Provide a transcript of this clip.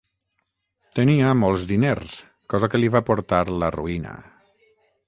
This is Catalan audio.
Tenia molts diners, cosa que li va portar la ruïna.